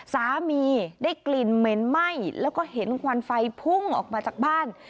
สามีได้กลิ่นเหม็นไหม้แล้วก็เห็นควันไฟพุ่งออกมาจากบ้าน